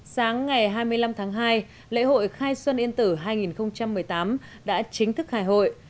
sáng ngày hai mươi năm tháng hai lễ hội khai xuân yên tử hai nghìn một mươi tám đã chính thức khai hội